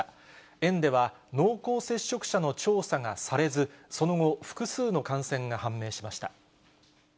園では、濃厚接触者の調査がされず、その後、複数の感染が判明しました。